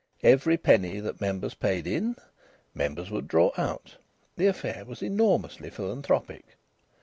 Every penny that members paid in, members would draw out. The affair was enormously philanthropic.